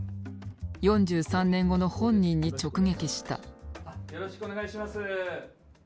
４３年後の本人に直撃した。